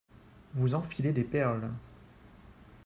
Vous enfilez des perles